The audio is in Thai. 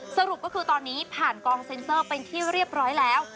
สรุปก็คือตอนนี้ผ่านกองเซ็นเซอร์เป็นที่เรียบร้อยแล้ว